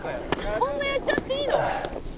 「こんなやっちゃっていいの？」